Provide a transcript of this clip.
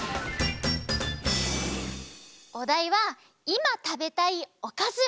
おだいは「いまたべたいおかず」。